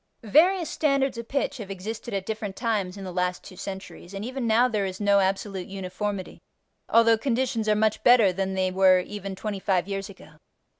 Various standards of pitch have existed at different times in the last two centuries, and even now there is no absolute uniformity although conditions are much better than they were even twenty five years ago.